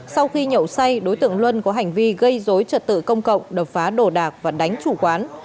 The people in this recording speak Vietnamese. sau khi nhậu say đối tượng luân có hành vi gây dối trật tự công cộng đập phá đồ đạc và đánh chủ quán